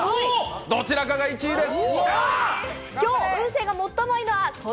どちらかが１位です！